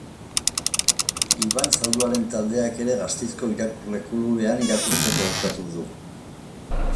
Iban Zalduaren taldeak ere, Gasteizko Irakurle Klubean, irakurtzeko hautatu du.